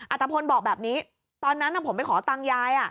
ัตภพลบอกแบบนี้ตอนนั้นผมไปขอตังค์ยาย